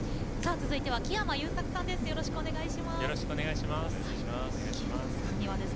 続いては木山裕策さんです。